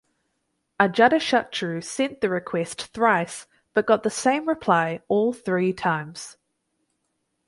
Ajatashatru sent the request thrice but got the same reply all three times.